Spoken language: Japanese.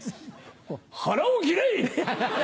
腹を切れ！